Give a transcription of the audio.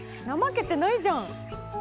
怠けてないじゃん！